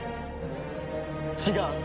違う。